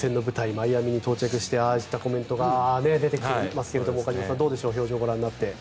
マイアミに到着してああいったコメントが出てきていますが岡島さん、どうでしょう表情をご覧になって。